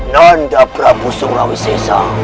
nanda prabu sungrawisesa